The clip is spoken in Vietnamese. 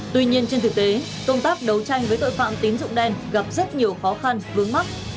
tuy nhiên trên thực tế công tác đấu tranh với tội phạm tín dụng đen gặp rất nhiều khó khăn vướng mắt